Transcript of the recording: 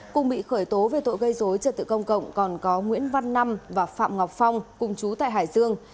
cùng bị khởi tố về tội gây dối trật tự công cộng còn có nguyễn văn năm và phạm ngọc phong cùng chú tại hải dương